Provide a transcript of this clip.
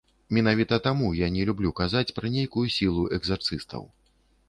Менавіта таму я не люблю казаць пра нейкую сілу экзарцыстаў.